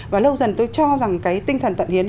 và lâu dần tôi cho rằng cái tinh thần tận hiến